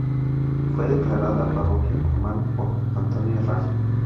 Fue declarada parroquia formal por Antonio Herrán.